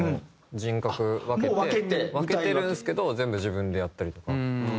人格分けて分けてるんですけど全部自分でやったりとか。